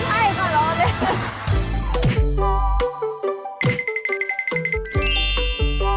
เดิน